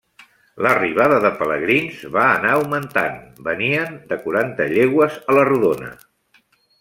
L'arribada de pelegrins va anar augmentant; veien de quaranta llegües a la rodona.